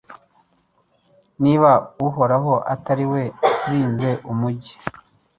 Niba Uhoraho atari we urinze umugi